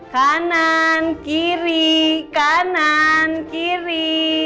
kanan kiri kanan kiri